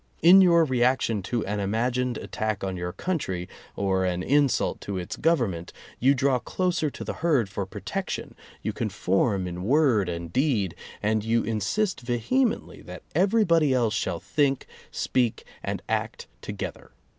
In your reaction to an imagined attack on your country or an insult to its government, you draw closer to the herd for protection, you conform in word and deed, and you insist vehemently that everybody else shall think, speak and act together.